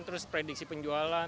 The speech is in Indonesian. terus prediksi penjualan